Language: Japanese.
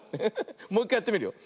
もういっかいやってみるよ。